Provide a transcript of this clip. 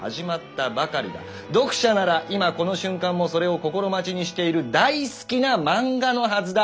読者なら今この瞬間もそれを心待ちにしている「大好きな漫画」のはずだ。